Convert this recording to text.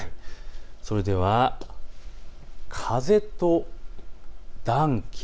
それでは風と暖気。